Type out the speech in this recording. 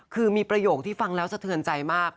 คือมีประโยคที่ฟังแล้วสะเทือนใจมาก